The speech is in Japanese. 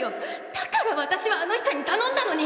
だから私はあの人に頼んだのに！！